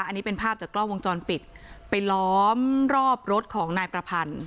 อันนี้เป็นภาพจากกล้องวงจรปิดไปล้อมรอบรถของนายประพันธ์